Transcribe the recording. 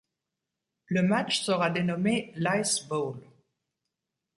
Le match sera dénommé l'Ice Bowl.